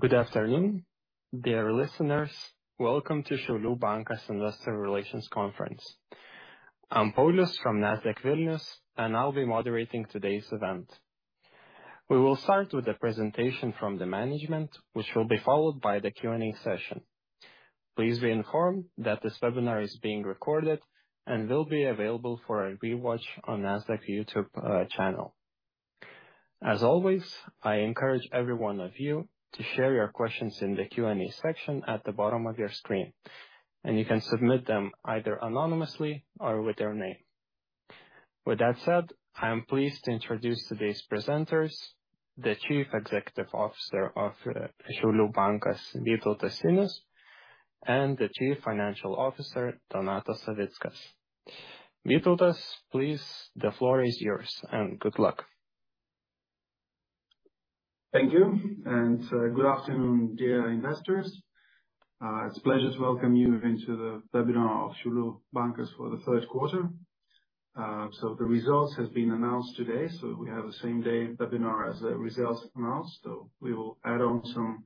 Good afternoon, dear listeners. Welcome to Šiaulių Bankas Investor Relations Conference. I'm Paulius from Nasdaq Vilnius, and I'll be moderating today's event. We will start with the presentation from the management, which will be followed by the Q&A session. Please be informed that this webinar is being recorded and will be available for a rewatch on Nasdaq YouTube channel. As always, I encourage every one of you to share your questions in the Q&A section at the bottom of your screen, and you can submit them either anonymously or with your name. With that said, I am pleased to introduce today's presenters, the Chief Executive Officer of Šiaulių Bankas, Vytautas Sinius, and the Chief Financial Officer, Donatas Savickas. Vytautas, please, the floor is yours, and good luck. Thank you, and good afternoon, dear investors. It's a pleasure to welcome you into the webinar of Šiaulių Bankas for the third quarter. So the results have been announced today, so we have the same day webinar as the results announced. So we will add on some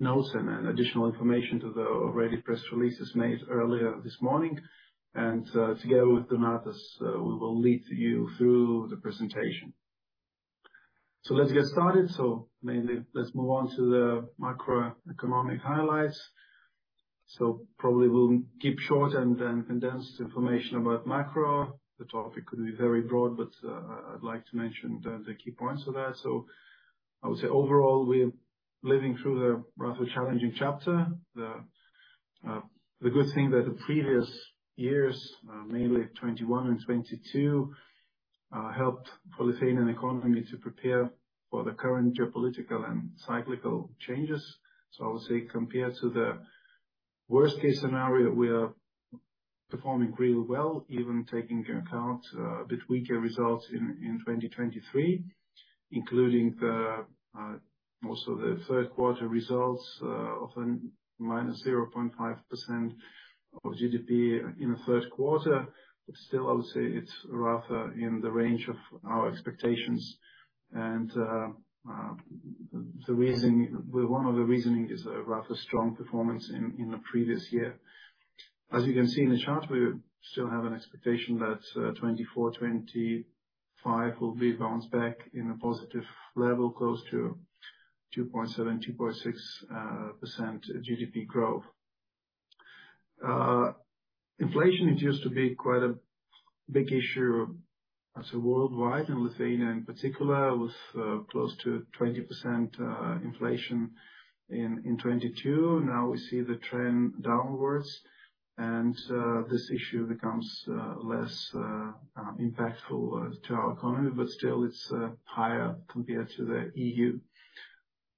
notes and additional information to the already press releases made earlier this morning. And together with Donatas, we will lead you through the presentation. So let's get started. So mainly, let's move on to the macroeconomic highlights. So probably we'll keep short and condense information about macro. The topic could be very broad, but I'd like to mention the key points of that. So I would say overall, we're living through a rather challenging chapter. The good thing that the previous years, mainly 2021 and 2022, helped Lithuanian economy to prepare for the current geopolitical and cyclical changes. So I would say, compared to the worst-case scenario, we are performing really well, even taking into account a bit weaker results in 2023, including also the third quarter results of -0.5% of GDP in the third quarter. But still, I would say it's rather in the range of our expectations. And the reasoning. Well, one of the reasoning is a rather strong performance in the previous year. As you can see in the chart, we still have an expectation that 2024, 2025 will be bounced back in a positive level, close to 2.7, 2.6% GDP growth. Inflation, it used to be quite a big issue as a worldwide, and Lithuania in particular, with close to 20% inflation in 2022. Now we see the trend downwards, and this issue becomes less impactful to our economy, but still it's higher compared to the EU.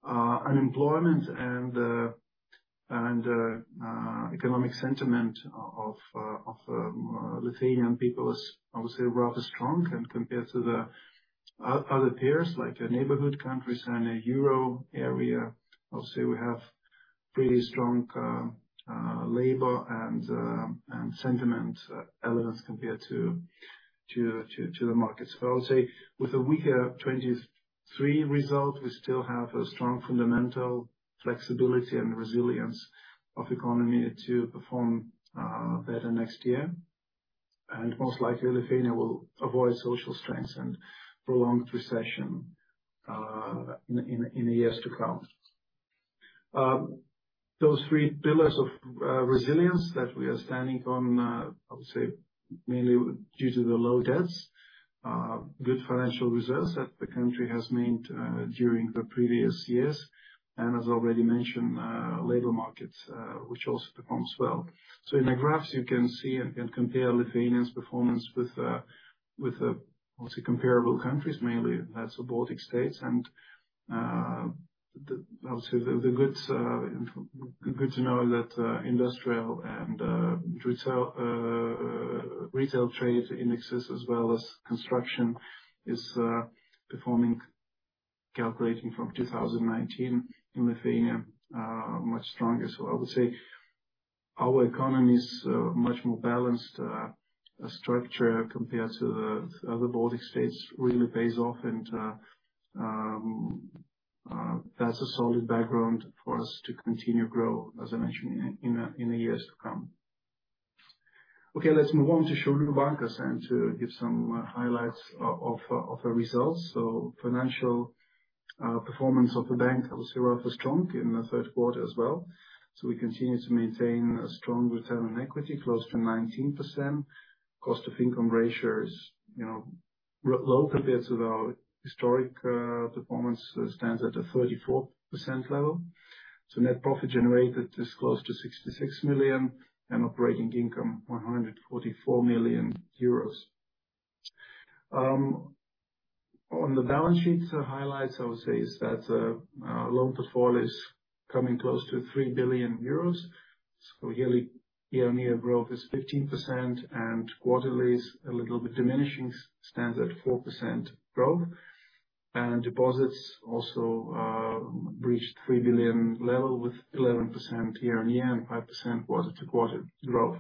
Unemployment and economic sentiment of Lithuanian people is, I would say, rather strong and compared to the other peers, like the neighborhood countries and the euro area, I'll say we have pretty strong labor and sentiment elements compared to the markets. So I would say with a weaker 2023 result, we still have a strong fundamental flexibility and resilience of economy to perform better next year. Most likely, Lithuania will avoid social strengths and prolonged recession in the years to come. Those three pillars of resilience that we are standing on, I would say mainly due to the low debts, good financial reserves that the country has made during the previous years, and as already mentioned, labor markets, which also performs well. So in the graphs you can see and compare Lithuania's performance with the comparable countries, mainly that's the Baltic States. And I would say it's good to know that industrial and retail trade indexes as well as construction is performing, calculating from 2019 in Lithuania, much stronger. So I would say our economy is, much more balanced structure compared to the other Baltic States, really pays off and, that's a solid background for us to continue to grow, as I mentioned, in the years to come. Okay, let's move on to Šiaulių Bankas and to give some highlights of the results. So financial performance of the bank, I would say, rather strong in the third quarter as well. So we continue to maintain a strong return on equity, close to 19%. Cost-of-income ratio, you know, low compared to the historic performance, stands at a 34% level. So net profit generated is close to 66 million, and operating income 144 million euros. On the balance sheet, the highlights, I would say, is that, loan portfolio is coming close to 3 billion euros. So yearly, year-on-year growth is 15%, and quarterly is a little bit diminishing, stands at 4% growth. And deposits also, reached 3 billion level with 11% year-on-year and 5% quarter-to-quarter growth.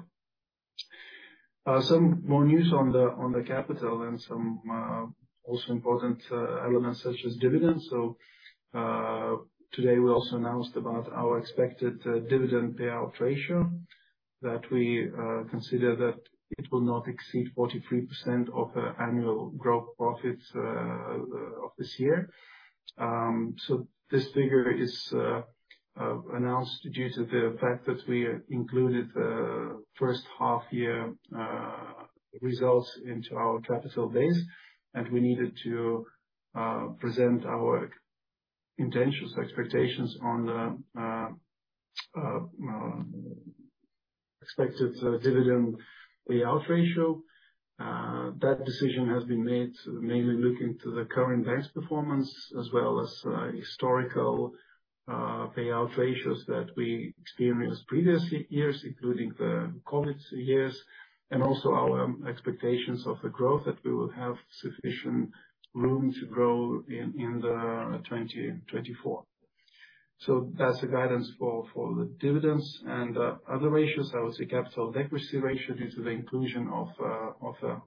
Some more news on the capital and some also important elements such as dividends. So, today we also announced about our expected dividend payout ratio, that we consider that it will not exceed 43% of the annual growth profits of this year. So this figure is announced due to the fact that we included the first half year results into our capital base, and we needed to present our intentions, expectations on the expected dividend payout ratio. That decision has been made mainly looking to the current bank's performance, as well as historical payout ratios that we experienced previous years, including the COVID years, and also our expectations of the growth, that we will have sufficient room to grow in 2024. So that's the guidance for the dividends. And other ratios, I would say capital adequacy ratio, due to the inclusion of the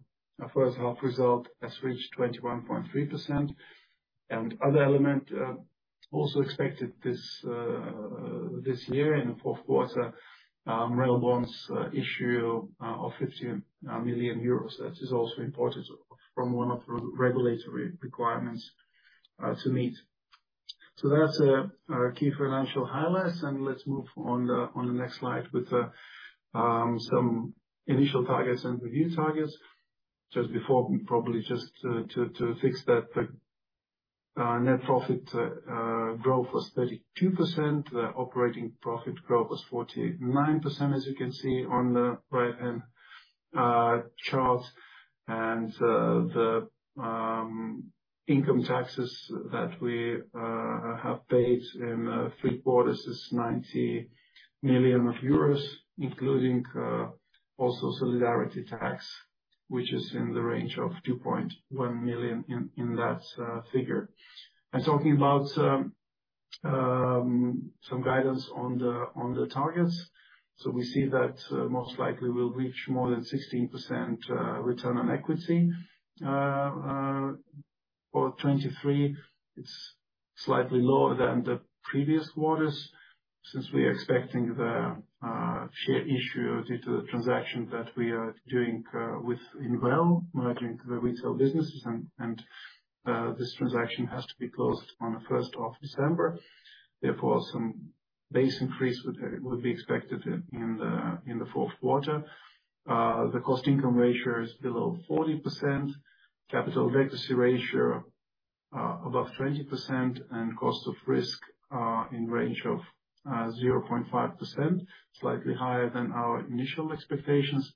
first half result, has reached 21.3%. Another element also expected this year in the fourth quarter, MREL bonds issue of 50 million euros. That is also important from one of the regulatory requirements to meet. So that's our key financial highlights, and let's move on to the next slide with some initial targets and review targets. Just before, probably just to fix that, the net profit growth was 32%. The operating profit growth was 49%, as you can see on the right-hand chart. And the income taxes that we have paid in three quarters is 90 million euros, including also solidarity tax, which is in the range of 2.1 million in that figure. And talking about some guidance on the targets. So we see that, most likely we'll reach more than 16% return on equity for 2023. It's slightly lower than the previous quarters, since we are expecting the share issue due to the transaction that we are doing with INVL, merging the retail businesses, and this transaction has to be closed on the first of December. Therefore, some base increase would be expected in the fourth quarter. The cost-to-income ratio is below 40%, capital adequacy ratio above 20%, and cost of risk in range of 0.5%, slightly higher than our initial expectations.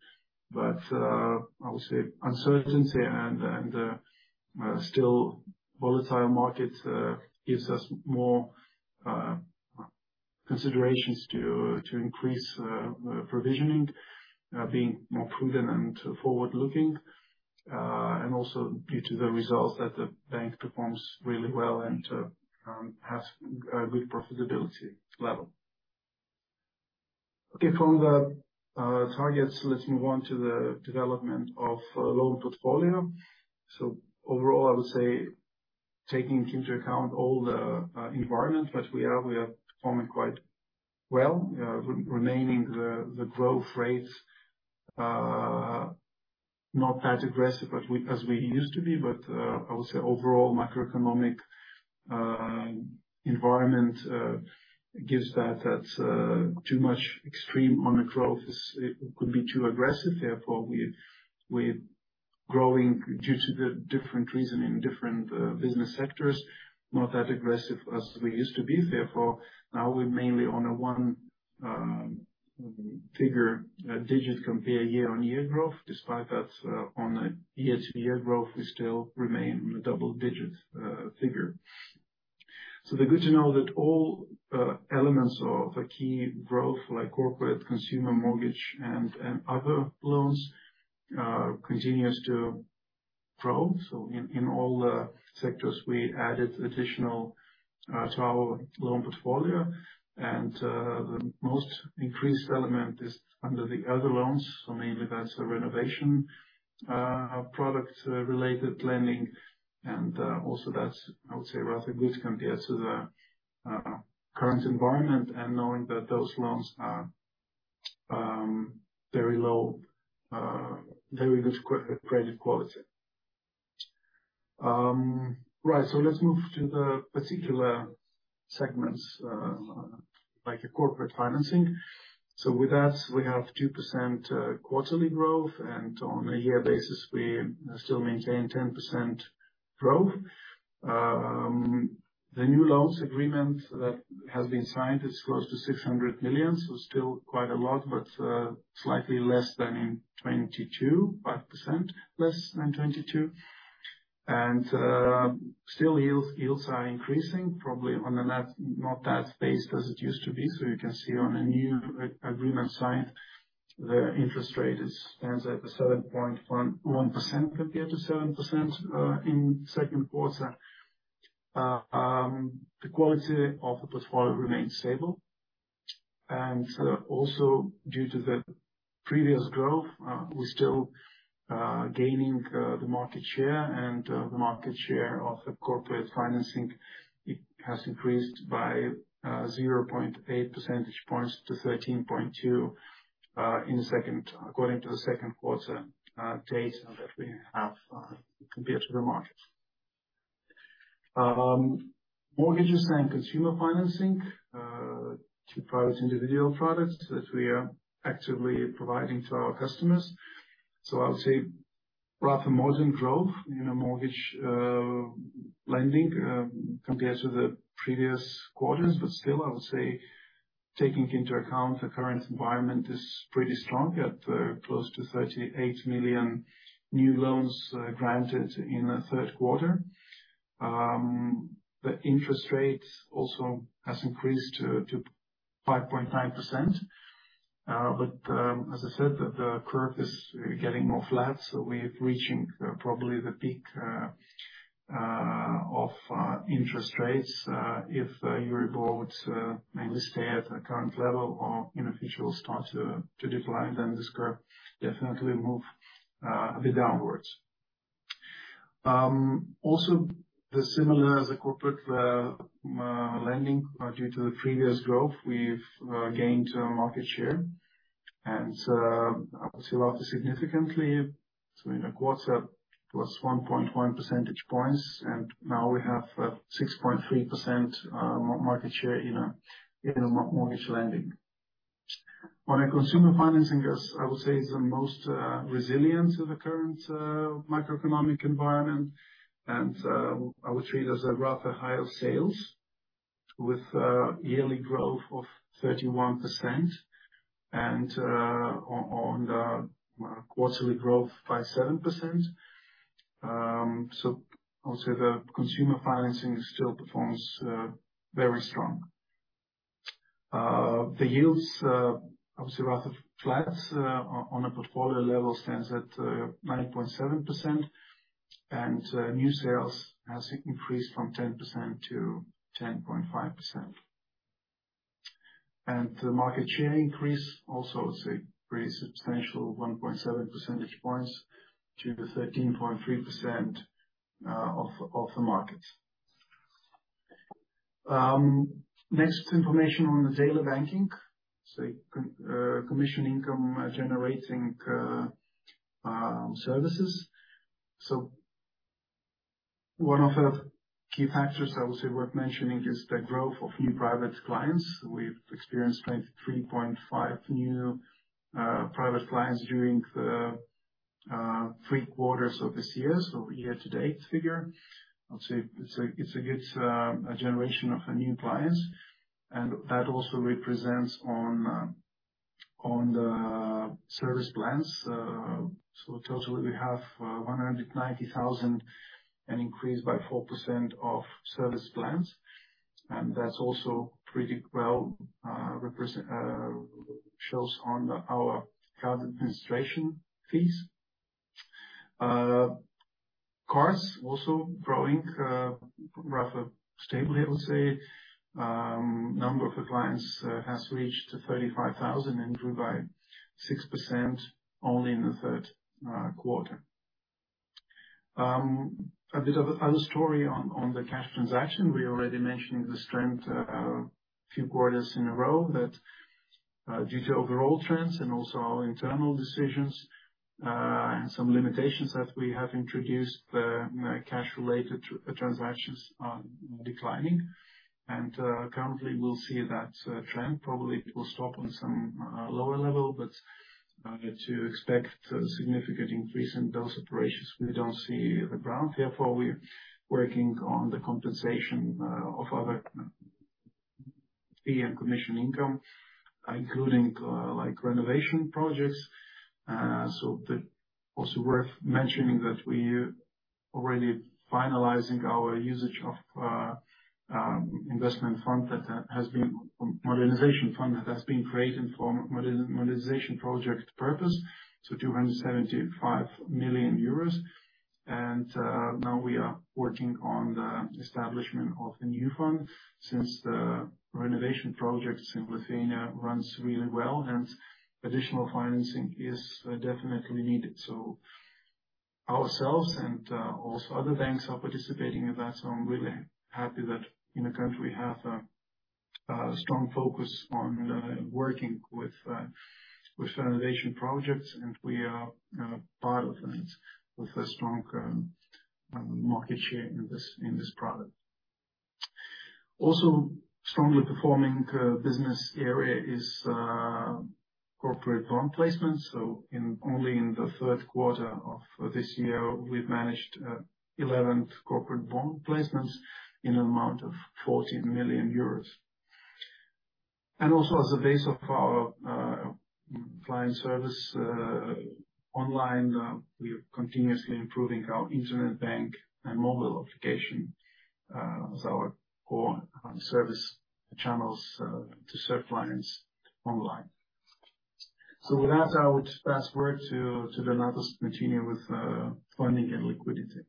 But I would say uncertainty and still volatile markets gives us more considerations to increase provisioning, being more prudent and forward-looking. And also due to the results that the bank performs really well and has a good profitability level. Okay, from the targets, let's move on to the development of loan portfolio. So overall, I would say, taking into account all the environment that we are performing quite well. Remaining the growth rates not that aggressive as we used to be, but I would say overall macroeconomic environment gives that too much extreme on the growth is, it could be too aggressive. Therefore, we're growing due to the different reason in different business sectors, not that aggressive as we used to be. Therefore, now we're mainly on a one figure digits compare year-on-year growth. Despite that, on a year-to-year growth, we still remain double digits figure. So it's good to know that all elements of the key growth, like corporate, consumer mortgage, and other loans, continues to grow. So in all the sectors, we added additional to our loan portfolio. And the most increased element is under the other loans, so mainly that's a renovation product related lending. And also that's, I would say, rather good compared to the current environment, and knowing that those loans are very low, very good credit quality. Right. So let's move to the particular segments, like corporate financing. So with that, we have 2% quarterly growth, and on a year basis, we still maintain 10% growth. The new loans agreement that has been signed is close to 600 million, so still quite a lot, but slightly less than in 2022, 5% less than 2022. And still yields, yields are increasing, probably on a not, not that pace as it used to be. So you can see on a new agreement signed, the interest rate stands at 7.11% compared to 7% in second quarter. The quality of the portfolio remains stable, and also due to the previous growth, we're still gaining the market share, and the market share of the corporate financing, it has increased by 0.8 percentage points to 13.2 in the second, according to the second quarter data that we have compared to the market. Mortgages and consumer financing, two products, individual products, that we are actively providing to our customers. So I would say rather moderate growth in our mortgage lending, compared to the previous quarters. But still, I would say, taking into account the current environment, is pretty strong at close to 38 million new loans granted in the third quarter. The interest rate also has increased to 5.9%. But, as I said, that the curve is getting more flat, so we're reaching probably the peak of interest rates. If EURIBOR mainly stay at the current level or, you know, officially start to decline, then this curve definitely move a bit downwards. Also, the corporate lending due to the previous growth, we've gained market share. I would say rather significantly, so in the quarter, +1.1 percentage points, and now we have 6.3% market share in mortgage lending. On consumer financing, yes, I would say it's the most resilient in the current macroeconomic environment. I would treat as a rather higher sales with yearly growth of 31%, and on the quarterly growth by 7%. So also the consumer financing still performs very strong. The yields obviously rather flat on a portfolio level stands at 9.7%, and new sales has increased from 10% to 10.5%. The market share increase is also, say, pretty substantial, 1.7 percentage points to the 13.3% of the market. Next, information on the retail banking, so commission income generating services. So, one of the key factors I would say worth mentioning is the growth of new private clients. We've experienced 23.5 new private clients during the three quarters of this year, so year-to-date figure. I'll say it's a good generation of new clients, and that also represents on the service plans. So, totally, we have 190,000, an increase by 4% of service plans, and that's also pretty well shows on our current administration fees. Cards also growing rather stably, I would say. Number of the clients has reached to 35,000, and grew by 6% only in the third quarter. A bit of other story on the cash transaction. We already mentioned the strength few quarters in a row, that due to overall trends and also our internal decisions and some limitations that we have introduced, the cash-related transactions are declining. And currently, we'll see that trend. Probably it will stop on some lower level, but to expect a significant increase in cash operations, we don't see the ground. Therefore, we're working on the compensation of other fee and commission income, including like renovation projects. So that also worth mentioning, that we're already finalizing our usage of modernization fund that has been created for modernization project purpose, so 275 million euros. Now we are working on the establishment of a new fund, since the renovation projects in Lithuania runs really well, and additional financing is definitely needed. So ourselves and also other banks are participating in that, so I'm really happy that in the country, we have a strong focus on working with renovation projects, and we are part of it, with a strong market share in this product. Also strongly performing business area is corporate bond placement. So, only in the third quarter of this year, we've managed 11 corporate bond placements in an amount of 14 million euros. And also, as a base of our client service online, we are continuously improving our internet bank and mobile application as our core service channels to serve clients online. So with that, I would pass word to Donatas to continue with funding and liquidity.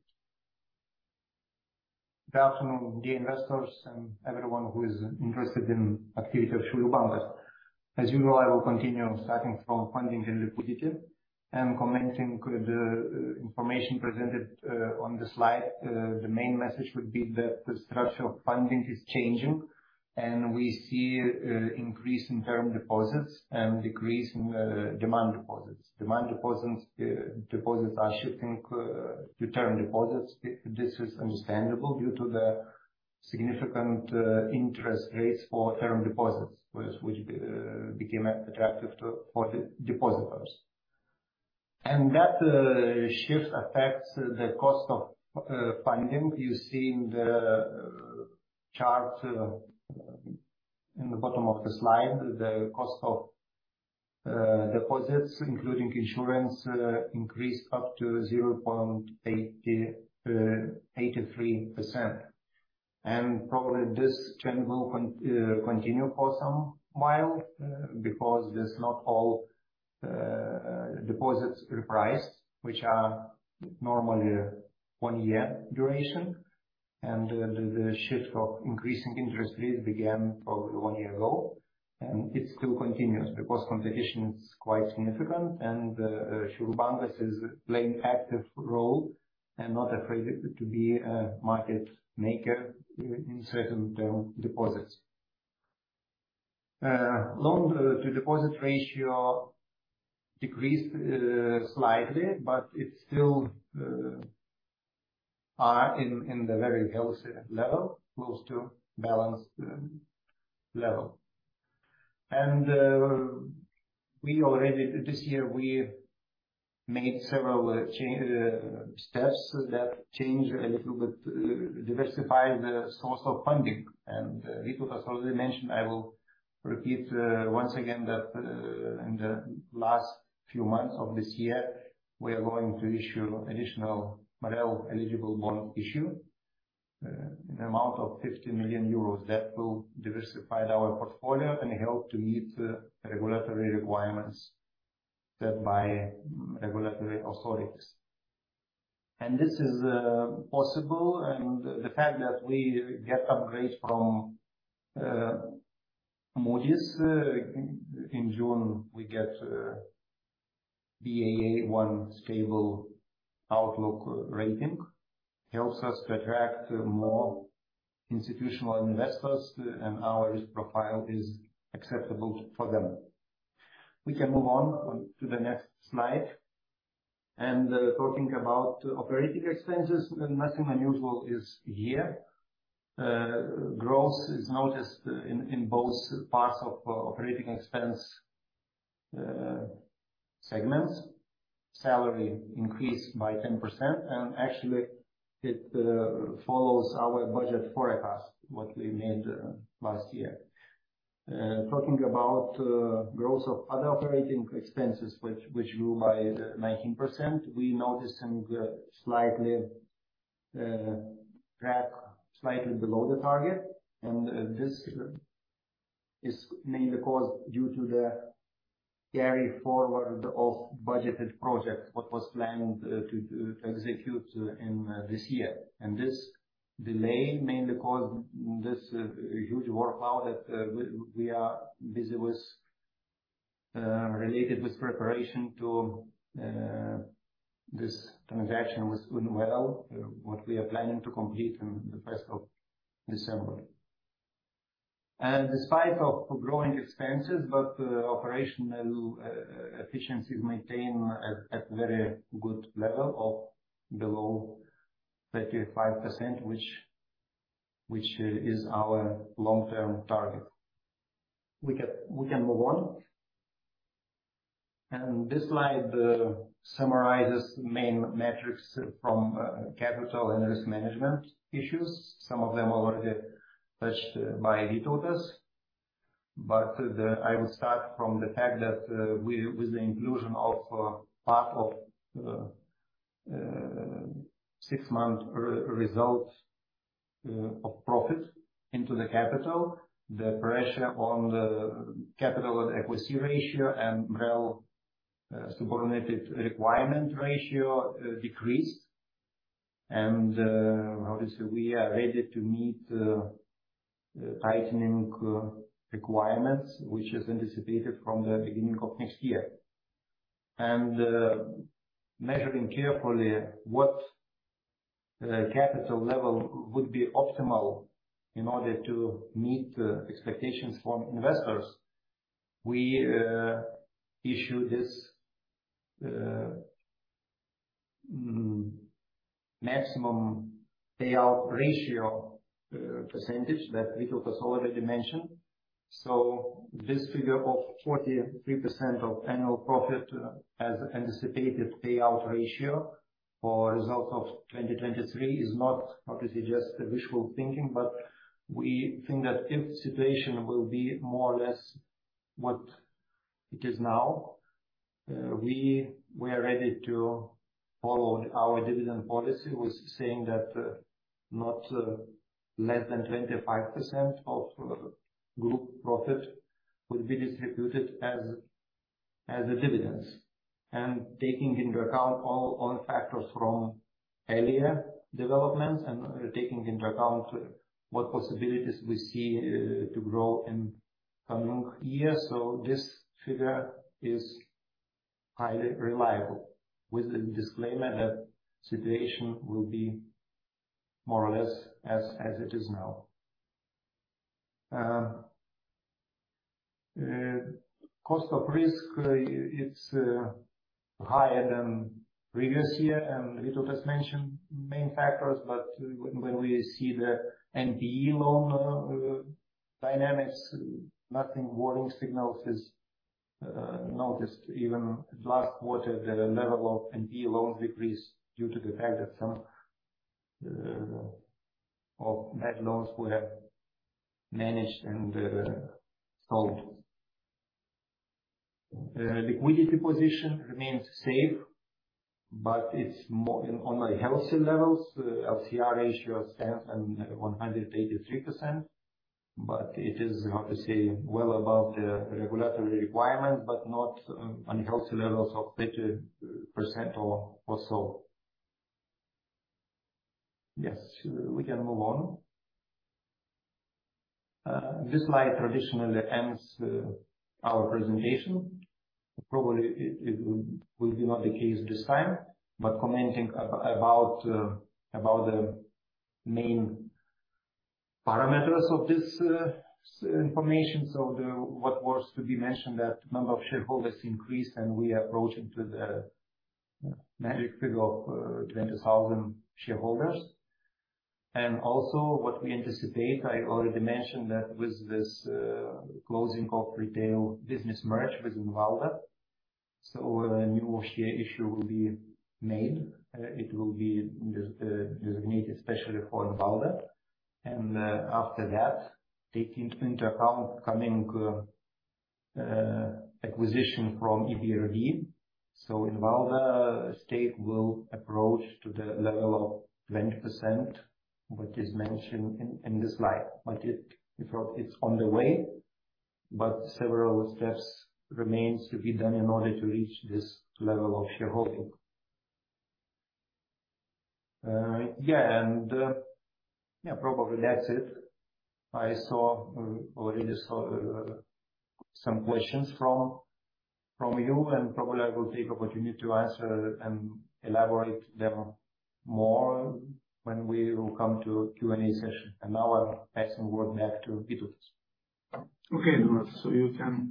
Good afternoon, dear investors and everyone who is interested in activity of Šiaulių Bankas. As you know, I will continue starting from funding and liquidity and commenting with the information presented on the slide. The main message would be that the structure of funding is changing, and we see increase in term deposits and decrease in demand deposits. Demand deposits are shifting to term deposits. This is understandable due to the significant interest rates for term deposits, which became attractive to, for the depositors. And that shift affects the cost of funding. You see in the chart in the bottom of the slide, the cost of deposits, including insurance, increased up to 0.83%. Probably this trend will continue for some while, because it's not all deposits repriced, which are normally one year duration. The shift of increasing interest rates began probably one year ago, and it still continues because competition is quite significant, and Šiaulių Bankas is playing active role and not afraid to be a market maker in certain term deposits. Loan to deposit ratio decreased slightly, but it still are in the very healthy level, close to balanced level. We already, this year, we made several steps that change a little bit diversify the source of funding. Vytautas already mentioned, I will repeat once again that in the last few months of this year, we are going to issue additional MREL-eligible bond issue in the amount of 50 million euro. That will diversify our portfolio and help to meet the regulatory requirements set by regulatory authorities. And this is possible, and the fact that we get upgrade from Moody's in June, we get Baa1 stable outlook rating, helps us to attract more institutional investors, and our risk profile is acceptable for them. We can move on to the next slide. And talking about operating expenses, nothing unusual is here. Growth is noticed in both parts of operating expense segments. Salary increased by 10%, and actually it follows our budget forecast, what we made last year. Talking about growth of other operating expenses, which grew by 19%, we noticed some slightly tracking slightly below the target, and this is mainly caused due to the carry forward of budgeted projects, what was planned to execute in this year. And this delay mainly caused this huge workload that we are busy with related with preparation to this transaction with INVL, what we are planning to complete in the first of December. Despite of growing expenses, but operational efficiency is maintained at very good level of below 35%, which is our long-term target. We can move on. And this slide summarizes main metrics from capital and risk management issues. Some of them already touched by Vytautas, but the- I will start from the fact that, with the inclusion of part of six-month result of profit into the capital, the pressure on the capital and equity ratio and MREL subordinated requirement ratio decreased. Obviously, we are ready to meet tightening requirements, which is anticipated from the beginning of next year. And measuring carefully what capital level would be optimal in order to meet the expectations from investors, we issue this maximum payout ratio percentage that Vytautas already mentioned. So this figure of 43% of annual profit as anticipated payout ratio for results of 2023 is not obviously just a wishful thinking, but we think that if situation will be more or less what it is now- We are ready to follow our dividend policy with saying that not less than 25% of group profit will be distributed as a dividends. And taking into account all factors from earlier developments and taking into account what possibilities we see to grow in coming years. So this figure is highly reliable, with the disclaimer that situation will be more or less as it is now. Cost of risk, it's higher than previous year, and Vytas just mentioned main factors, but when we see the NPE loan dynamics, nothing warning signals is noticed. Even last quarter, the level of NPE loans decreased due to the fact that some of net loans were managed and sold. Liquidity position remains safe, but it's more on healthy levels. LCR ratio is 183%, but it is, how to say, well above the regulatory requirements, but not on healthy levels of 30% or so. Yes, we can move on. This slide traditionally ends our presentation. Probably it will be not the case this time, but commenting about the main parameters of this information. So what was to be mentioned, that number of shareholders increased, and we are approaching to the magic figure of 20,000 shareholders. And also what we anticipate, I already mentioned that with this closing of retail business merge with Invalda, so a new share issue will be made. It will be designated especially for Invalda. And, after that, taking into account coming acquisition from EBRD, so Invalda stake will approach to the level of 20%, what is mentioned in this slide. But it, it's on the way, but several steps remains to be done in order to reach this level of shareholding. Yeah, and, yeah, probably that's it. I saw, already saw, some questions from, from you, and probably I will take opportunity to answer and elaborate them more when we will come to Q&A session. And now I pass on word now to Vytas. Okay, so you can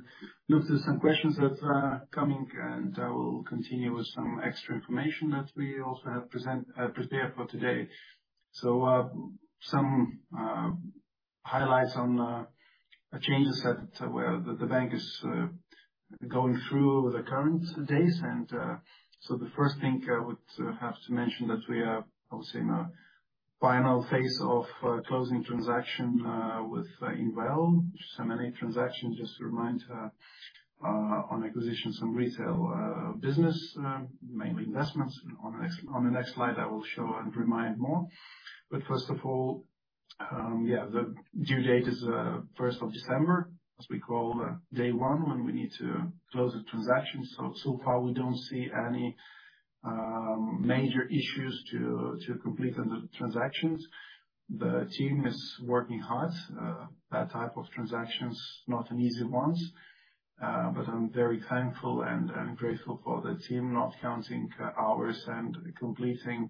notice some questions that are coming, and I will continue with some extra information that we also have present, prepared for today. So, some highlights on changes that where the bank is going through the current days. And, so the first thing I would have to mention that we are obviously in a final phase of closing transaction with Invalda. So M&A transaction, just to remind, on acquisitions on retail business, mainly investments. On the next, on the next slide, I will show and remind more. But first of all, yeah, the due date is first of December, as we call Day One, when we need to close the transaction. So, so far, we don't see any major issues to complete on the transactions. The team is working hard. That type of transaction's not an easy one, but I'm very thankful and grateful for the team, not counting hours and completing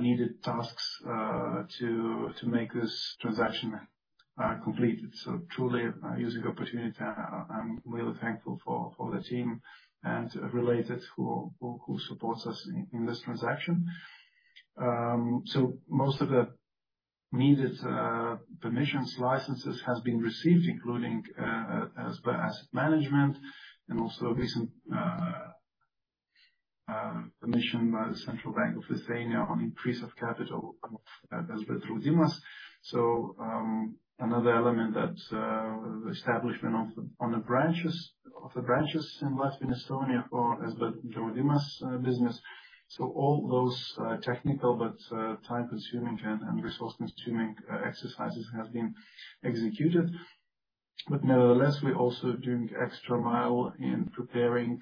needed tasks to make this transaction completed. So truly, using the opportunity, I'm really thankful for the team and relatives who supports us in this transaction. So most of the needed permissions, licenses has been received, including as asset management and also recent permission by the Bank of Lithuania on increase of capital of SB Draudimas. So another element that, establishment of the branches in Latvia and Estonia for SB Asset Management business. So all those technical but time-consuming and resource-consuming exercises have been executed. But nevertheless, we're also doing extra mile in preparing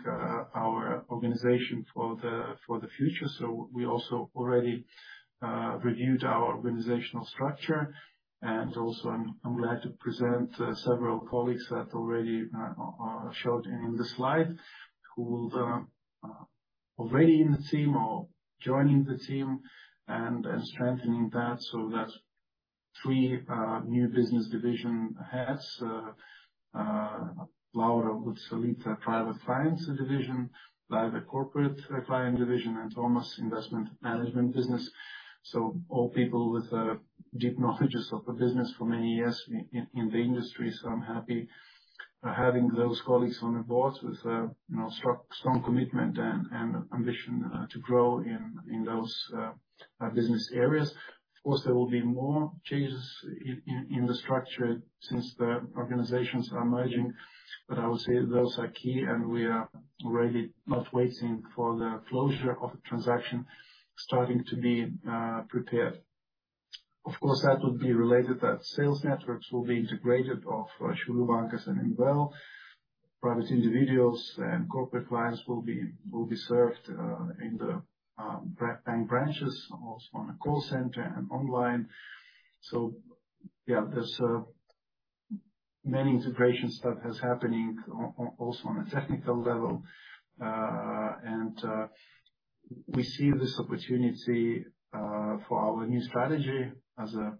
our organization for the future. So we also already reviewed our organizational structure. And also, I'm glad to present several colleagues that already are showed in this slide, who will already in the team or joining the team and strengthening that. So that's three new business division heads, Laura Bučelytė, Private Clients Division, Corporate Client Division, and Tomas, Investment Management Business. So all people with deep knowledge of the business for many years in the industry, so I'm happy having those colleagues on the board with you know, strong, strong commitment and ambition to grow in those business areas. Of course, there will be more changes in the structure since the organizations are merging, but I would say those are key, and we are already not waiting for the closure of the transaction, starting to be prepared. Of course, that would be related that sales networks will be integrated of Šiaulių Bankas and INVL. Private individuals and corporate clients will be served in the bank branches, also on the call center and online. So yeah, there's many integration stuff is happening also on a technical level. And we see this opportunity for our new strategy as a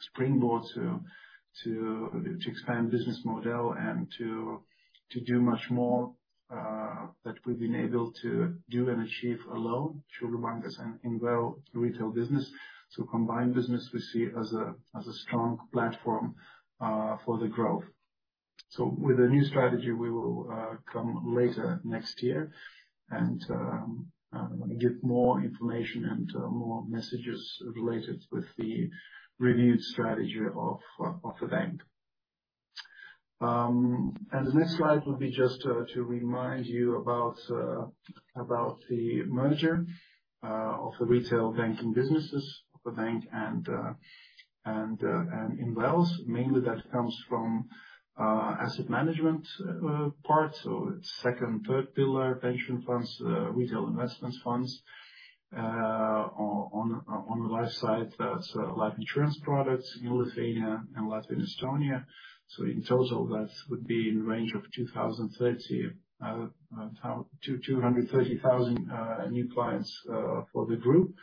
springboard to expand business model and to do much more that we've been able to do and achieve alone, Šiaulių Bankas and INVL retail business. So combined business we see as a strong platform for the growth. So with the new strategy, we will come later next year, and give more information and more messages related with the renewed strategy of the bank. And the next slide will be just to remind you about the merger of the retail banking businesses of the bank and INVL. Mainly that comes from asset management part, so its second, third pillar pension funds, retail investment funds, on the life side, that's life insurance products in Lithuania and Latvia and Estonia. So in total, that would be in the range of 230,000 new clients for the group.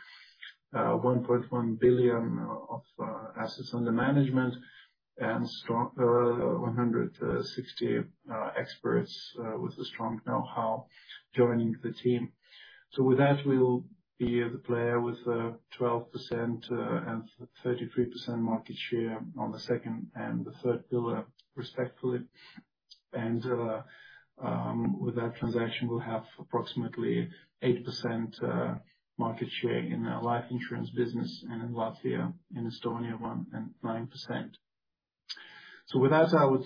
1.1 billion of assets under management and strong 160 experts with a strong know-how joining the team. So with that, we will be the player with 12% and 33% market share on the second and the third pillar, respectively. And with that transaction, we'll have approximately 8% market share in the life insurance business and in Latvia, in Estonia, 1% and 9%. So with that, I would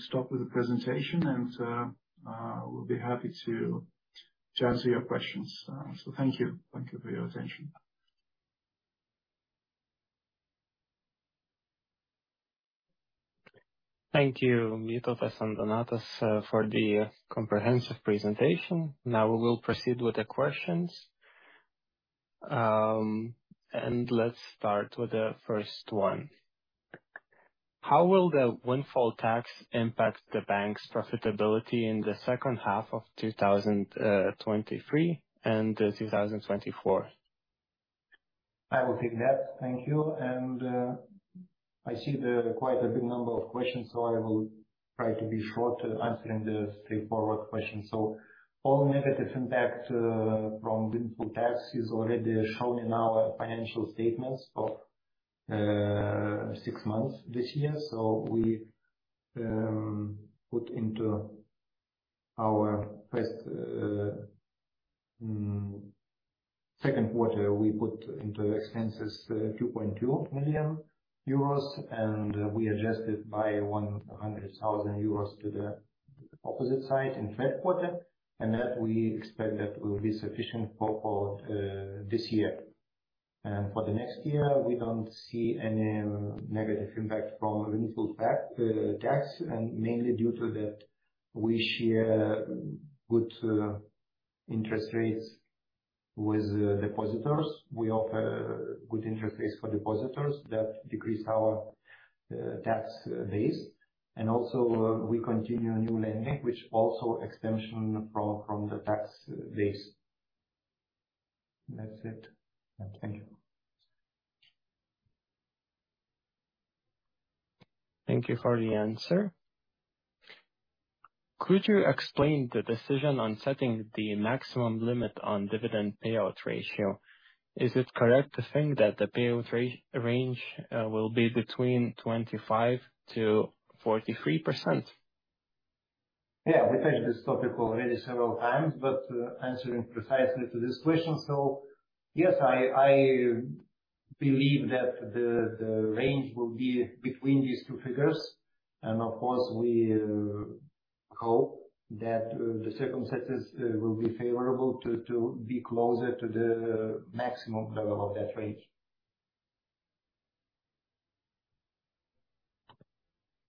stop with the presentation, and we'll be happy to answer your questions. So thank you. Thank you for your attention. Thank you, Vytautas and Donatas, for the comprehensive presentation. Now, we will proceed with the questions. Let's start with the first one. How will the windfall tax impact the bank's profitability in the second half of 2023 and 2024? I will take that. Thank you. And I see there are quite a good number of questions, so I will try to be short answering the straightforward questions. So all negative impact from windfall tax is already shown in our financial statements of six months this year. So we put into our first second quarter, we put into expenses 2.2 million euros, and we adjusted by 100,000 euros to the opposite side in third quarter, and that we expect that will be sufficient for this year. And for the next year, we don't see any negative impact from windfall tax, and mainly due to that, we share good interest rates with depositors. We offer good interest rates for depositors that decrease our tax base. Also, we continue new lending, which also exemption from the tax base. That's it. Thank you. Thank you for the answer. Could you explain the decision on setting the maximum limit on dividend payout ratio? Is it correct to think that the payout range will be between 25%-43%? Yeah, we touched this topic already several times, but, answering precisely to this question: So yes, I believe that the range will be between these two figures, and of course, we hope that the circumstances will be favorable to be closer to the maximum level of that range.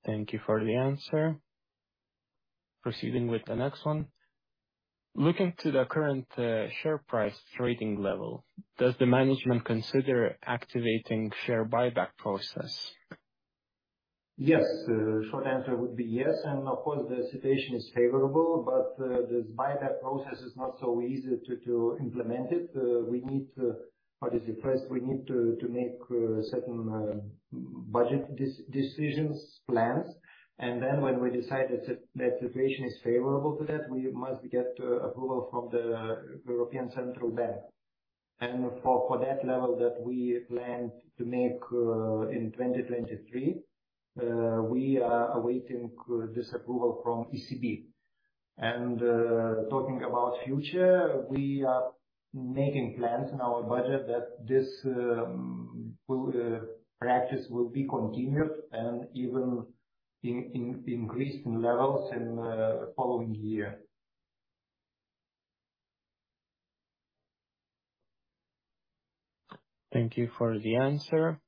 Thank you for the answer. Proceeding with the next one. Looking to the current, share price trading level, does the management consider activating share buyback process? Yes. Short answer would be yes, and of course, the situation is favorable, but this buyback process is not so easy to implement it. We need to, first, we need to make certain budget decisions, plans, and then when we decide that the situation is favorable to that, we must get approval from the European Central Bank and for that level that we planned to make in 2023, we are awaiting this approval from ECB. And talking about future, we are making plans in our budget that this practice will be continued and even increased in levels in the following year. Thank you for the answer.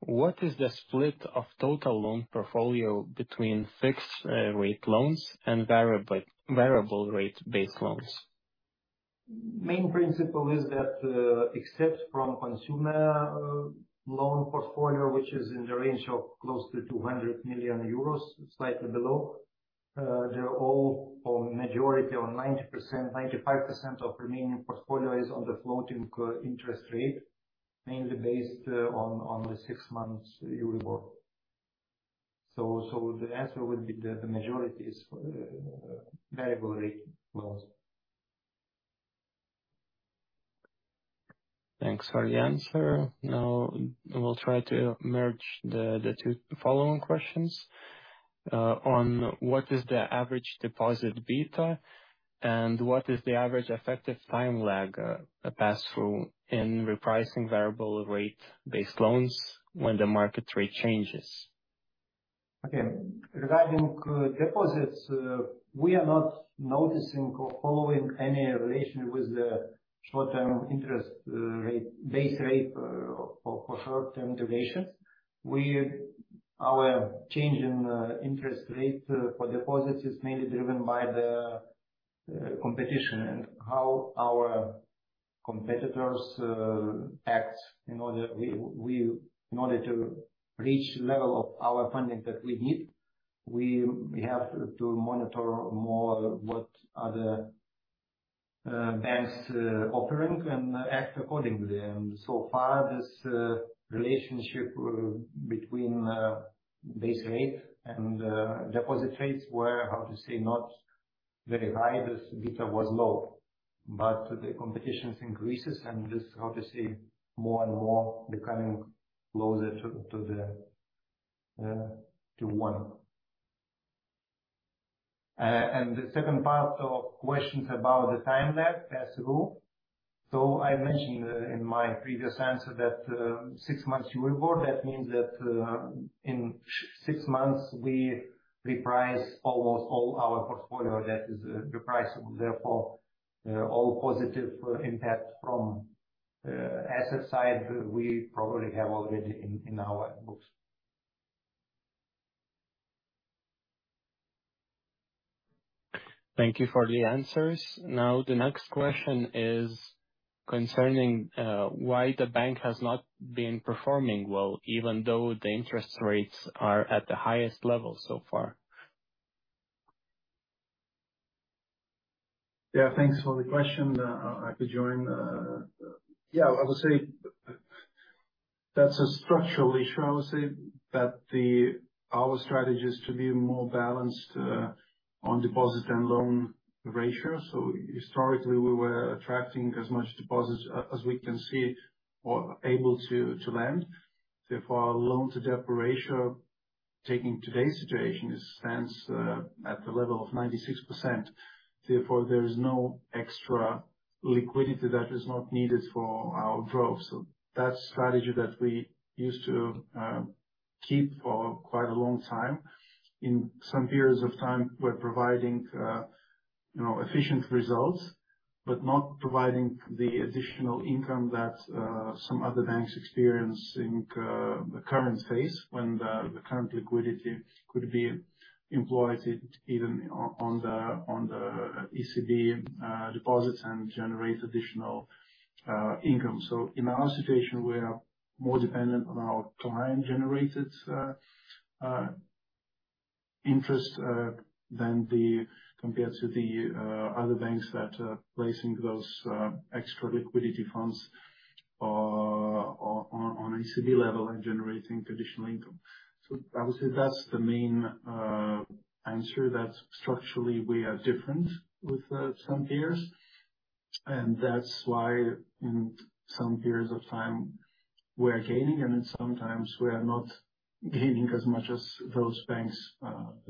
What is the split of total loan portfolio between fixed rate loans and variable rate-based loans? Main principle is that, except from consumer loan portfolio, which is in the range of close to 200 million euros, slightly below, they're all, or majority or 90%, 95% of remaining portfolio is on the floating interest rate, mainly based on the six-month EURIBOR. So, so the answer would be the, the majority is variable rate loans. Thanks for the answer. Now, we'll try to merge the two following questions. On what is the average deposit beta, and what is the average effective time lag pass-through in repricing variable rate-based loans when the market rate changes? Okay. Regarding deposits, we are not noticing or following any relation with the short-term interest rate, base rate, for short-term durations. Our change in interest rate for deposits is mainly driven by the competition and how our competitors act. In order to reach level of our funding that we need, we have to monitor more what other banks are offering, and act accordingly. And so far, this relationship between base rate and deposit rates were not very high, as beta was low. But the competition increases, and this more and more becoming closer to the one. And the second part of questions about the time lag pass-through. So I mentioned in my previous answer that six-month EURIBOR, that means that in six months, we reprice almost all our portfolio that is repriced, therefore all positive impact from asset side, we probably have already in our books. Thank you for the answers. Now, the next question is concerning why the bank has not been performing well, even though the interest rates are at the highest level so far? Yeah, thanks for the question. Yeah, I would say that's a structural issue. I would say that our strategy is to be more balanced on deposit and loan ratio. So historically, we were attracting as much deposits as we can see or able to, to lend. Therefore, our loan to deposit ratio, taking today's situation, stands at the level of 96%. Therefore, there is no extra liquidity that is not needed for our growth. So that strategy that we used to keep for quite a long time, in some periods of time we're providing, you know, efficient results, but not providing the additional income that some other banks experience in the current phase, when the current liquidity could be employed even on the ECB deposits and generate additional income. So in our situation, we are more dependent on our client-generated interest than, compared to the other banks that are placing those extra liquidity funds on a city level and generating additional income. So I would say that's the main answer, that structurally we are different with some peers, and that's why in some periods of time, we are gaining, and sometimes we are not gaining as much as those banks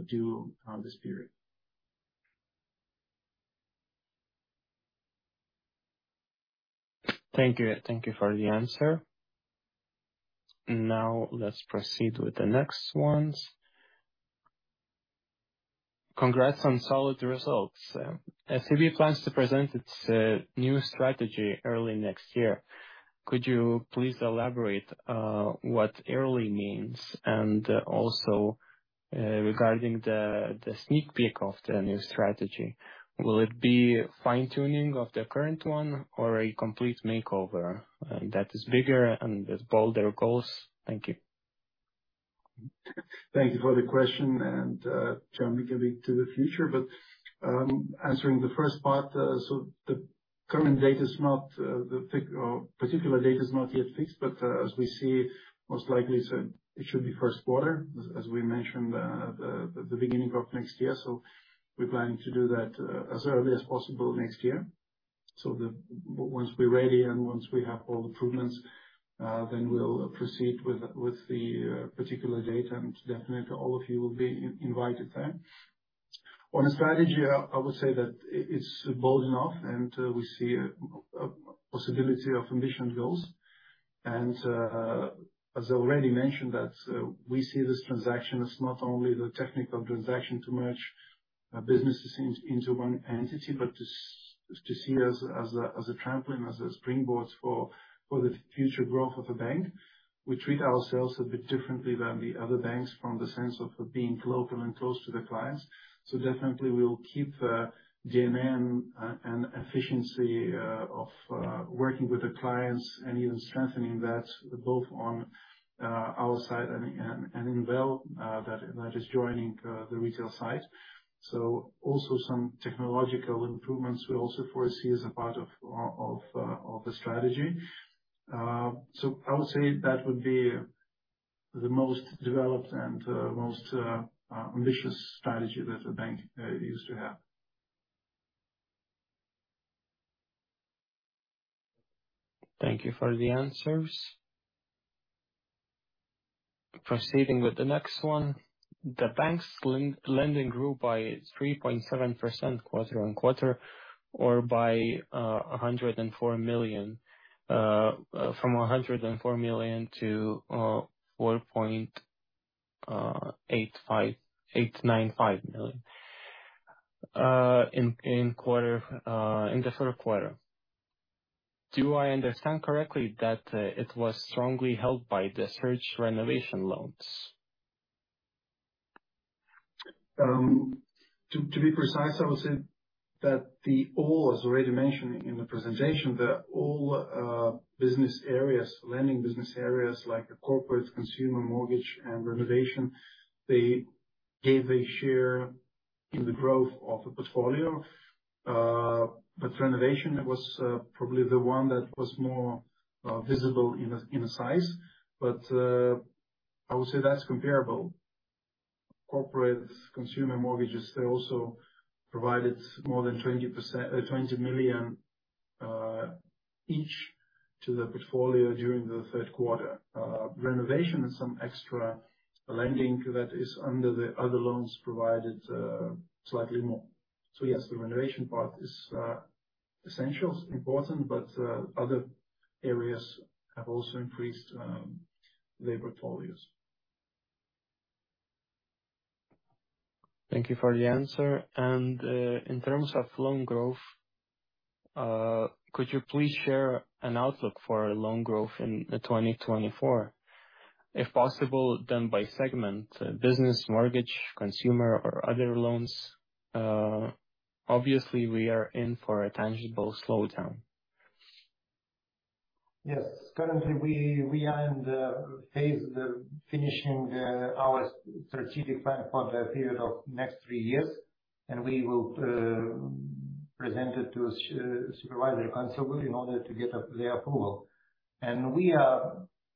do on this period. Thank you. Thank you for the answer. Now, let's proceed with the next ones. Congrats on solid results. SEB plans to present its new strategy early next year. Could you please elaborate what early means? And also, regarding the sneak peek of the new strategy, will it be fine-tuning of the current one or a complete makeover that is bigger and with bolder goals? Thank you. Thank you for the question, and jumping a bit to the future. But, answering the first part, so the current date is not, the particular date is not yet fixed, but, as we see, most likely, so it should be first quarter, as we mentioned, the beginning of next year. So we're planning to do that, as early as possible next year. So once we're ready, and once we have all improvements, then we'll proceed with the particular date, and definitely all of you will be invited there. On strategy, I would say that it's bold enough, and we see a possibility of ambitious goals. And, as already mentioned, that we see this transaction as not only the technical transaction to merge businesses into one entity, but to see as a trampoline, as a springboard for the future growth of the bank. We treat ourselves a bit differently than the other banks, from the sense of being local and close to the clients. So definitely we'll keep DNA and efficiency of working with the clients, and even strengthening that, both on our side and INVL that is joining the retail side. So also some technological improvements we also foresee as a part of the strategy. So I would say that would be the most developed and most ambitious strategy that the bank used to have. Thank you for the answers. Proceeding with the next one: The bank's lending grew by 3.7% quarter-on-quarter, or by 104 million from 104 million to 4.85895 million in the third quarter. Do I understand correctly that it was strongly held by the surge renovation loans? To be precise, I would say that all, as already mentioned in the presentation, that all business areas, lending business areas, like the corporate, consumer mortgage, and renovation, they gave a share in the growth of the portfolio. But renovation was probably the one that was more visible in a size. But I would say that's comparable. Corporate consumer mortgages, they also provided more than 20%—20 million each to the portfolio during the third quarter. Renovation and some extra lending that is under the other loans provided slightly more. So yes, the renovation part is essential; it's important, but other areas have also increased their portfolios. Thank you for the answer. In terms of loan growth, could you please share an outlook for loan growth in 2024? If possible, done by segment: business, mortgage, consumer, or other loans. Obviously, we are in for a tangible slowdown. Yes. Currently, we are in the phase of finishing our strategic plan for the period of next three years, and we will present it to supervisory council in order to get their approval.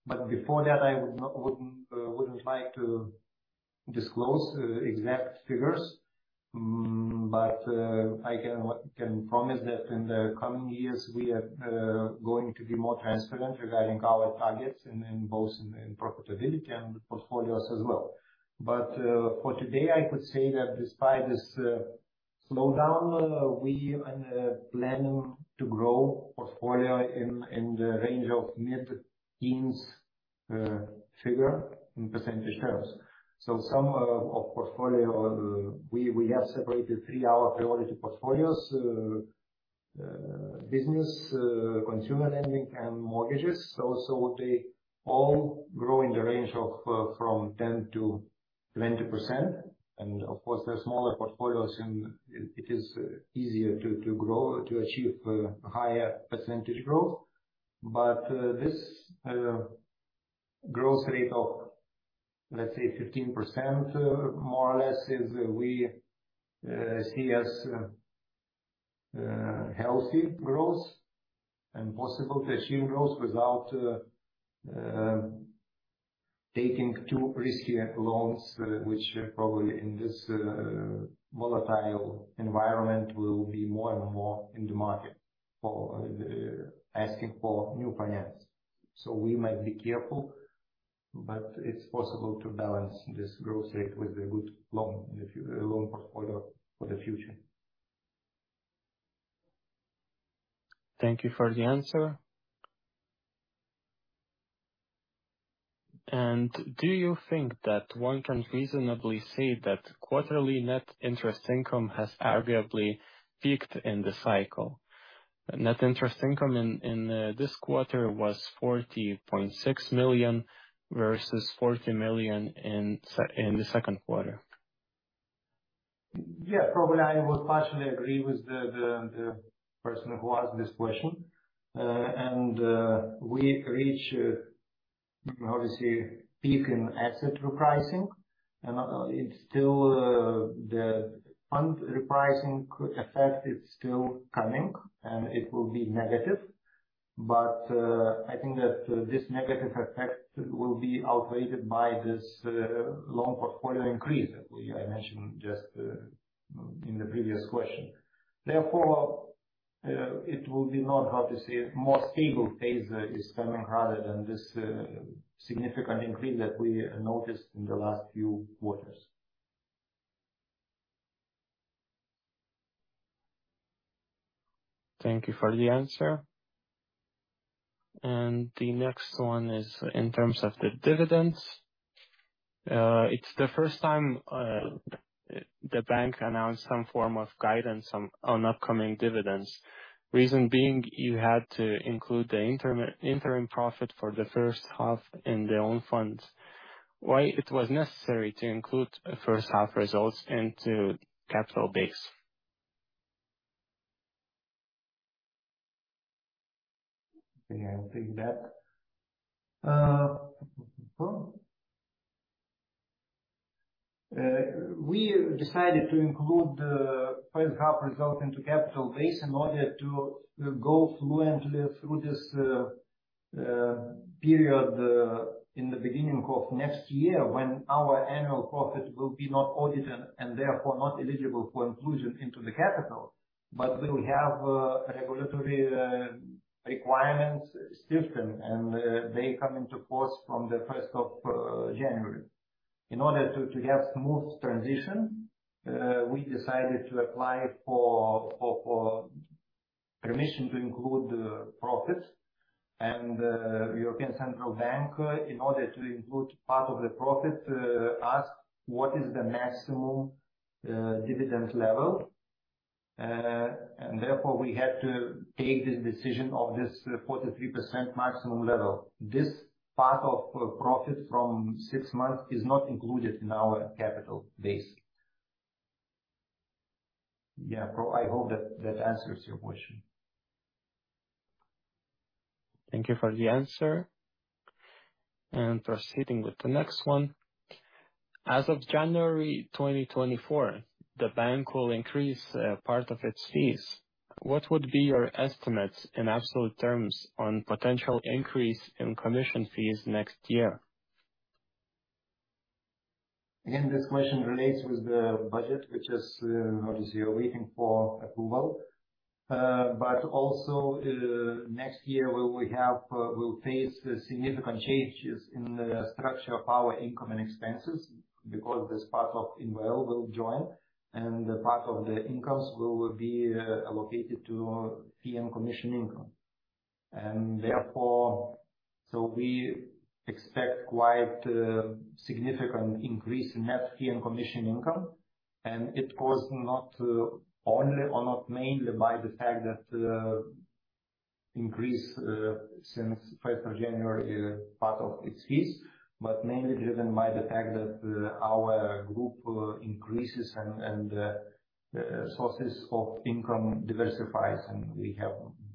But before that, I would not like to disclose exact figures. But I can promise that in the coming years, we are going to be more transparent regarding our targets in both profitability and portfolios as well. But for today, I could say that despite this slowdown, we are planning to grow portfolio in the range of mid-teens figure in percentage terms. So some of portfolio we have separated three of our priority portfolios: business, consumer lending, and mortgages. They all grow in the range of 10%-20%. And of course, they're smaller portfolios, and it is easier to grow, to achieve higher percentage growth. But this growth rate of, let's say, 15%, more or less, is what we see as healthy growth, and possible to achieve growth without taking too risky loans, which probably in this volatile environment will be more and more in the market for asking for new finance. So we might be careful, but it's possible to balance this growth rate with a good loan portfolio for the future. Thank you for the answer. Do you think that one can reasonably say that quarterly net interest income has arguably peaked in the cycle? Net interest income in this quarter was 40.6 million, versus 40 million in the second quarter. Yeah, probably I would partially agree with the person who asked this question. And we reached, obviously, peak in asset repricing, and it's still the fund repricing effect is still coming, and it will be negative. But I think that this negative effect will be outweighed by this loan portfolio increase I mentioned just in the previous question. Therefore, it will be not hard to see a more stable phase is coming rather than this significant increase that we noticed in the last few quarters. Thank you for the answer. The next one is in terms of the dividends. It's the first time the bank announced some form of guidance on upcoming dividends. Reason being, you had to include the interim profit for the first half in the own funds. Why it was necessary to include the first half results into capital base? Okay, I'll take that. We decided to include the first half result into capital base in order to go fluently through this period in the beginning of next year, when our annual profit will be not audited and therefore not eligible for inclusion into the capital. But we have regulatory requirements still, and they come into force from the first of January. In order to have smooth transition, we decided to apply for permission to include profits. And, European Central Bank, in order to include part of the profit, asked what is the maximum dividend level. And therefore we had to take the decision of this 43% maximum level. This part of profit from six months is not included in our capital base. Yeah, Paul, I hope that, that answers your question. Thank you for the answer. Proceeding with the next one: As of January 2024, the bank will increase a part of its fees. What would be your estimates in absolute terms on potential increase in commission fees next year? Again, this question relates with the budget, which is, obviously waiting for approval. But also, next year, we will have, we'll face significant changes in the structure of our income and expenses because this part of INVL will join, and the part of the incomes will be, allocated to fee and commission income. And therefore. So we expect quite, significant increase in net fee and commission income, and it was not, only or not mainly by the fact that, increase, since first of January, part of its fees, but mainly driven by the fact that, our group, increases and, sources of income diversifies, and we have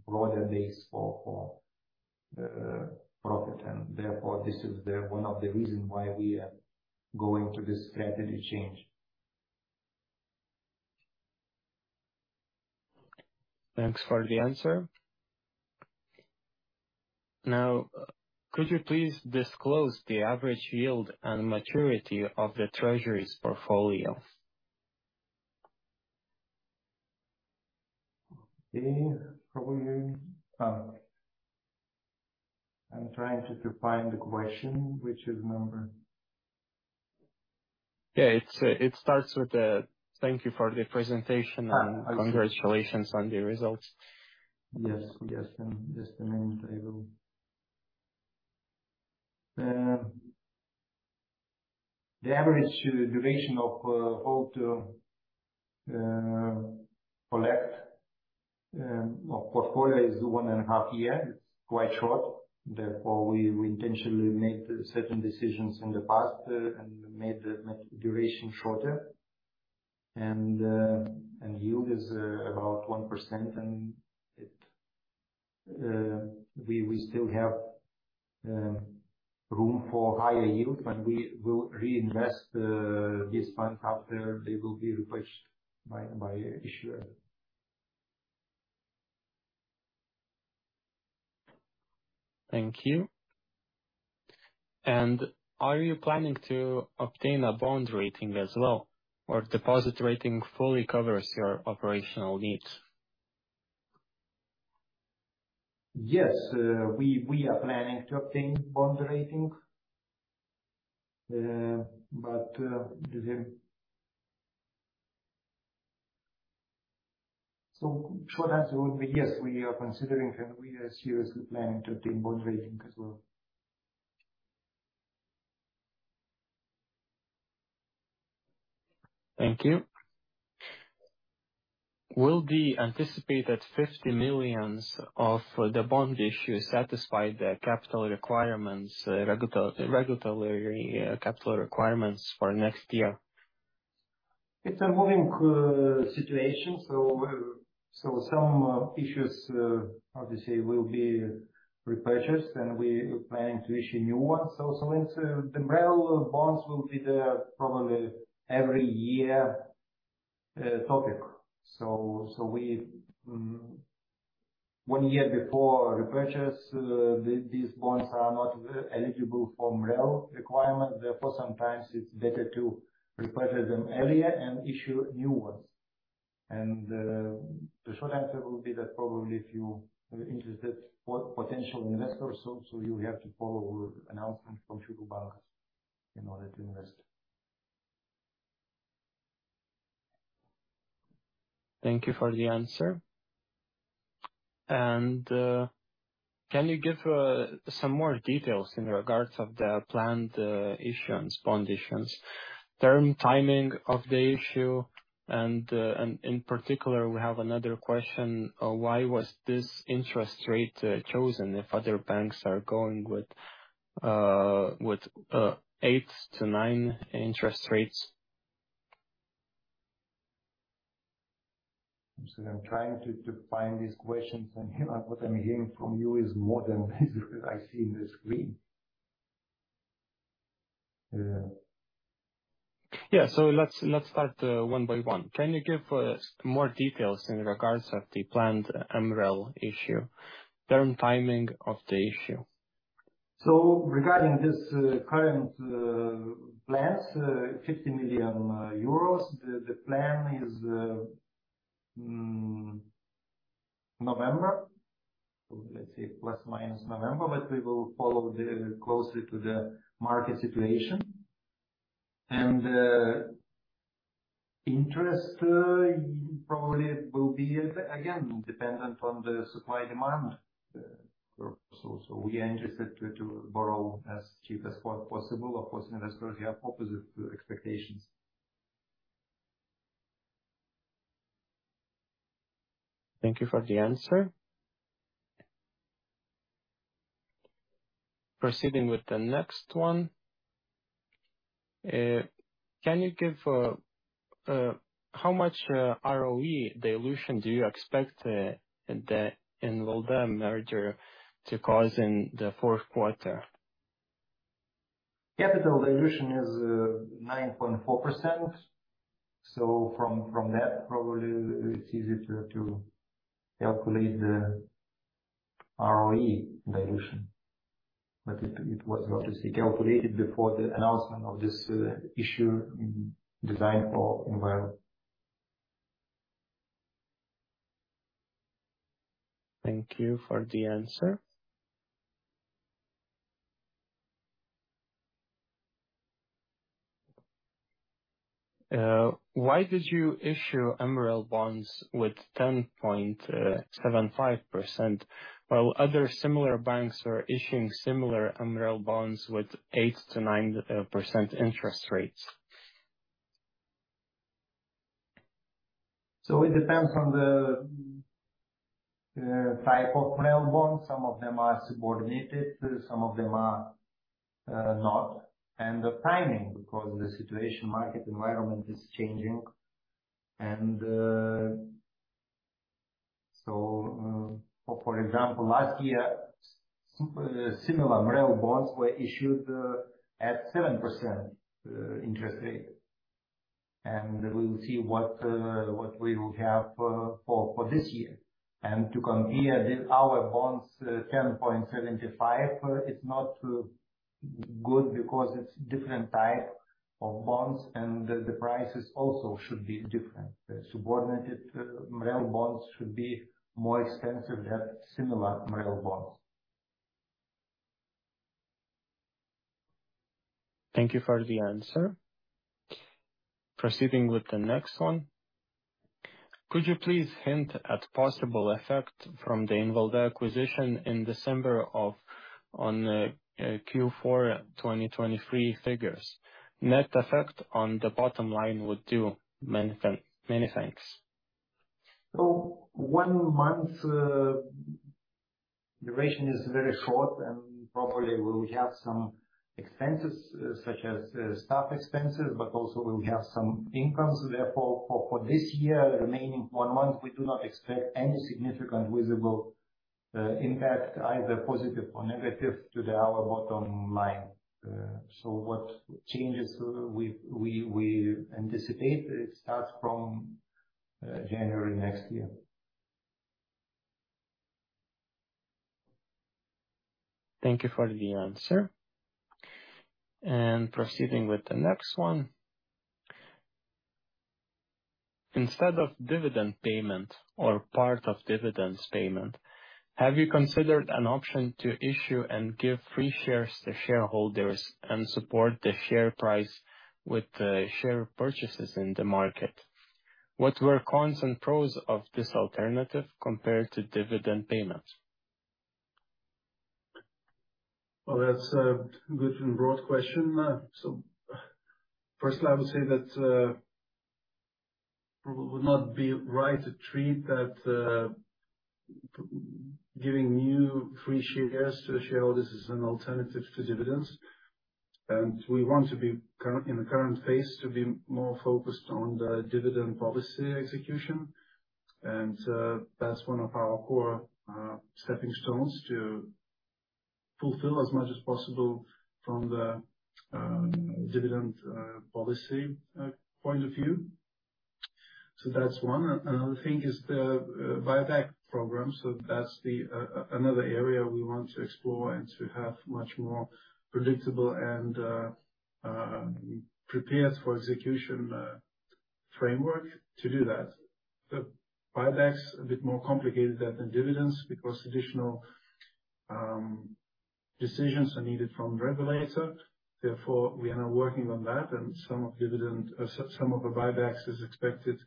broader base for, profit. And therefore, this is the one of the reason why we are going through this strategy change. Thanks for the answer. Now, could you please disclose the average yield and maturity of the Treasury's portfolio? Okay. Probably, I'm trying to find the question. Which is number? Yeah, it's, it starts with: "Thank you for the presentation- Ah. Congratulations on the results. Yes, yes. Just a moment, I will. The average duration of whole collection of portfolio is 1.5 years. It's quite short. Therefore, we intentionally made certain decisions in the past and made the duration shorter. And yield is about 1%, and we still have room for higher yield when we will reinvest this fund after they will be repurchased by issuer. Thank you. And are you planning to obtain a bond rating as well, or deposit rating fully covers your operational needs? Yes. We are planning to obtain bond rating. So, short answer would be yes, we are considering and we are seriously planning to obtain bond rating as well. Thank you. Will the anticipated 50 million of the bond issue satisfy the capital requirements, regulatory capital requirements for next year? It's a moving situation, so some issues obviously will be repurchased, and we are planning to issue new ones. Also, the INVL bonds will be there probably every year topic. So, one year before repurchase, these bonds are not eligible for MREL requirement, therefore sometimes it's better to repurchase them earlier and issue new ones. And the short answer will be that probably if you are interested for potential investors, so you have to follow announcement from Šiaulių Bankas in order to invest. Thank you for the answer. And can you give some more details in regards of the planned issuance, bond issuance, term timing of the issue, and in particular, we have another question: why was this interest rate chosen if other banks are going with 8%-9% interest rates? I'm sorry, I'm trying to find these questions, and what I'm hearing from you is more than I see on the screen. Yeah. So let's start, one by one. Can you give more details in regards of the planned MREL issue, term, timing of the issue? So regarding this current plans, 50 million euros, the plan is November. Let's say plus minus November, but we will follow closely to the market situation. And interest probably will be again dependent on the supply-demand. So we are interested to borrow as cheap as possible. Of course, investors have opposite expectations. Thank you for the answer. Proceeding with the next one. Can you give how much ROE dilution do you expect the Invalda merger to cause in the fourth quarter? Capital dilution is 9.4%. So from that, probably it's easy to calculate the ROE dilution. But it was obviously calculated before the announcement of this issue, design for MREL. Thank you for the answer. Why did you issue MREL bonds with 10.75%, while other similar banks are issuing similar MREL bonds with 8%-9% interest rates? So it depends on the type of MREL bonds. Some of them are subordinated, some of them are not, and the timing, because the situation, market environment is changing. And so, for example, last year, similar MREL bonds were issued at 7% interest rate. And we will see what we will have for this year. And to compare with our bonds, 10.75, it's not good because it's different type of bonds, and the prices also should be different. The subordinated MREL bonds should be more expensive than similar MREL bonds. Thank you for the answer. Proceeding with the next one. Could you please hint at possible effect from the Invalda acquisition in December, on Q4 2023 figures? Net effect on the bottom line would do. Many thanks, many thanks. So one month duration is very short, and probably we will have some expenses, such as staff expenses, but also we will have some incomes. Therefore, for this year, remaining one month, we do not expect any significant visible impact, either positive or negative, to the our bottom line. So what changes we anticipate, it starts from January next year. Thank you for the answer. Proceeding with the next one. Instead of dividend payment or part of dividends payment, have you considered an option to issue and give free shares to shareholders and support the share price with share purchases in the market? What were cons and pros of this alternative compared to dividend payments? Well, that's a good and broad question, so firstly, I would say that would not be right to treat that giving new free shares to shareholders is an alternative to dividends. And we want to be in the current phase, to be more focused on the dividend policy execution. And that's one of our core stepping stones to fulfill as much as possible from the dividend policy point of view. So that's one. Another thing is the buyback program, so that's the another area we want to explore and to have much more predictable and prepared for execution framework to do that. The buyback's a bit more complicated than dividends, because additional decisions are needed from regulator. Therefore, we are now working on that, and some of dividend, some of the buybacks is expected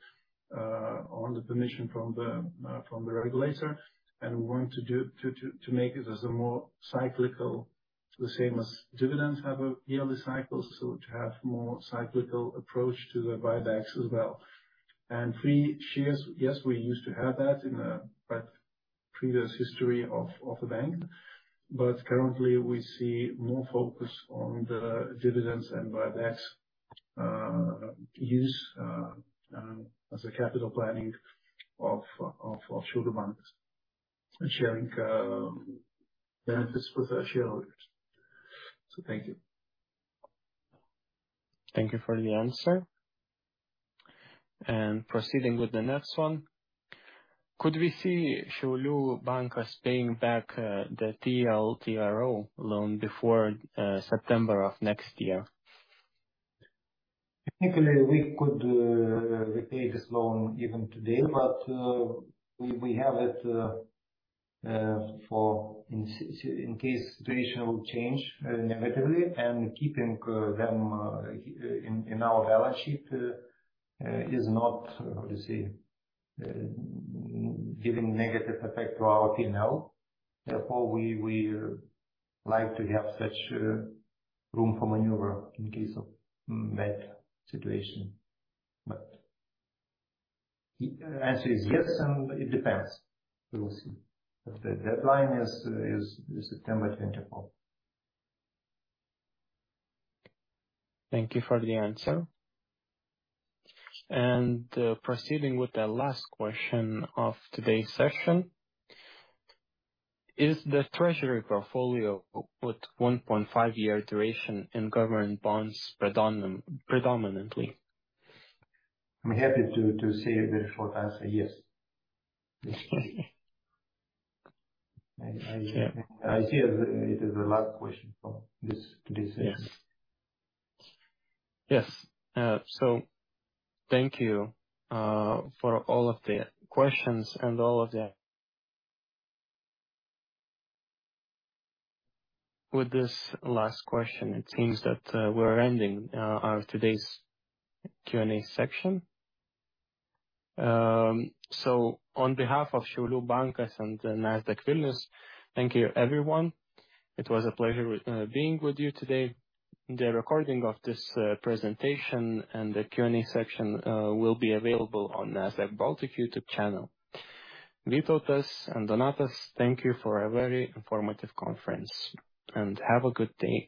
on the permission from the regulator. And we want to make it as a more cyclical, the same as dividends have a yearly cycle, so to have more cyclical approach to the buybacks as well. And free shares, yes, we used to have that in the but previous history of the bank, but currently we see more focus on the dividends and buybacks use as a capital planning of Šiaulių Bankas and sharing benefits with our shareholders. So thank you. Thank you for the answer. Proceeding with the next one: Could we see Šiaulių Bankas paying back the TLTRO loan before September of next year? Technically, we could repay this loan even today, but we have it for in case situation will change negatively, and keeping them in our balance sheet is not how to say giving negative effect to our P&L. Therefore, we like to have such room for maneuver in case of bad situation. But the answer is yes, and it depends. We will see. But the deadline is September 2024. Thank you for the answer. Proceeding with the last question of today's session: Is the treasury portfolio with 1.5-year duration in government bonds predominantly? I'm happy to say the short answer, yes. I see it is the last question for this session. Yes. So thank you for all of the questions and all of the with this last question, it seems that we're ending our today's Q&A session. So on behalf of Šiaulių Bankas and Nasdaq Vilnius, thank you, everyone. It was a pleasure being with you today. The recording of this presentation and the Q&A section will be available on Nasdaq Baltic YouTube channel. Vytautas and Donatas, thank you for a very informative conference, and have a good day.